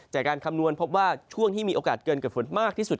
การคำนวณพบว่าช่วงที่มีโอกาสเกินเกิดฝนมากที่สุด